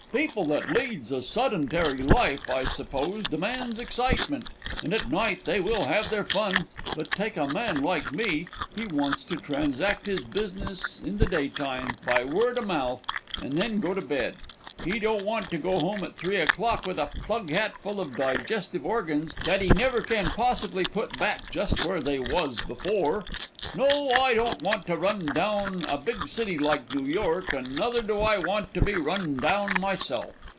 People that leads a suddentary life, I s'pose, demands excitement, and at night they will have their fun; but take a man like me he wants to transact his business in the daytime by word o' mouth, and then go to bed. He don't want to go home at 3 o'clock with a plug hat full of digestive organs that he never can possibly put back just where they was before. "No, I don't want to run down a big city like New York and nuther do I want to be run down myself.